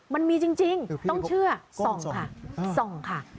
มันไม่เจอจริงอ่ะ